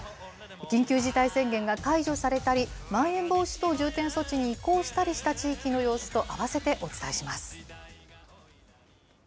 緊急事態宣言が解除されたり、まん延防止等重点措置に移行したりした地域の様子と合わせてお伝えします。